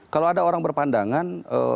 kalau ada orang berpandangan